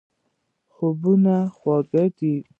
خوبونه خوږ دي.